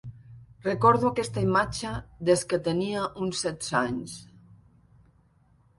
Recordo aquesta imatge des que tenia uns setze anys.